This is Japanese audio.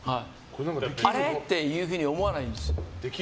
あれ？っていうふうに思わないんです。